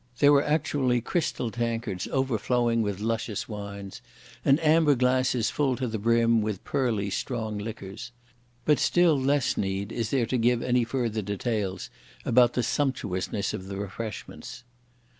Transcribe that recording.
There were actually crystal tankards overflowing with luscious wines, and amber glasses full to the brim with pearly strong liquors. But still less need is there to give any further details about the sumptuousness of the refreshments.